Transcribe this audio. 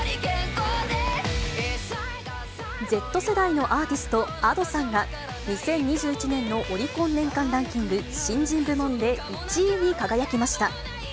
Ｚ世代のアーティスト、Ａｄｏさんが、２０２１年のオリコン年間ランキング、新人部門で１位に輝きました。